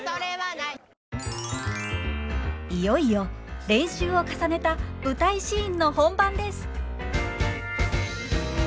いよいよ練習を重ねた舞台シーンの本番です！